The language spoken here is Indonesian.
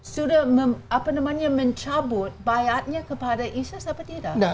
sudah mencabut bayarnya kepada isis atau tidak